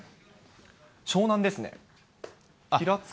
湘南ですね。